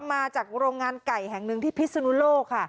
มาจากโรงงานไก่แห่งหนึ่งที่พิศนุโลกค่ะ